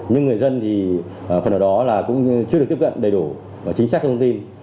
nhưng người dân phần đó cũng chưa được tiếp cận đầy đủ và chính xác các thông tin